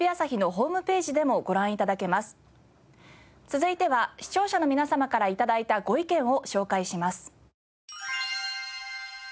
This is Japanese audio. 続いては視聴者の皆様から頂いたご意見を紹介します。